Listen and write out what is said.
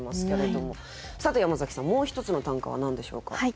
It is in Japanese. さて山崎さんもう一つの短歌は何でしょうか？